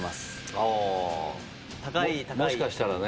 あもしかしたらね。